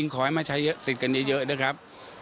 ขอบพระคุณครับ